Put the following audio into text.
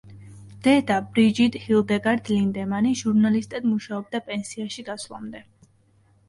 დედა, ბრიჯიტ ჰილდეგარდ ლინდემანი, ჟურნალისტად მუშაობდა პენსიაში გასვლამდე.